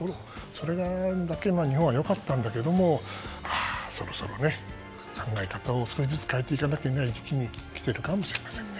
それだけ日本は良かったんだけどそろそろ、考え方を少しずつ変えていかない時期に来ているかもしれませんね。